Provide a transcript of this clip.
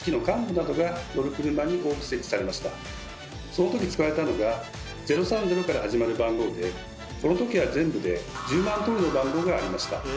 その時使われたのが「０３０」から始まる番号でこの時は全部で１０万通りの番号がありました。